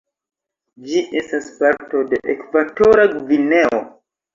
Ĝi estas parto de Ekvatora Gvineo.